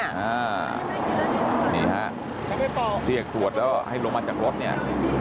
นี่ฮะเรียกตรวจแล้วให้ลงมาจากรถเนี่ย